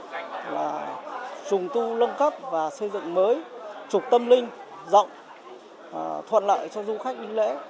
ban quản lý di tích lượng thu lân cấp và xây dựng mới trục tâm linh rộng thuận lợi cho du khách lễ